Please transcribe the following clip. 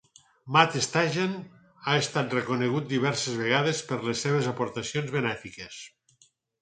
Matt Stajan ha estat reconegut diverses vegades per les seves aportacions benèfiques.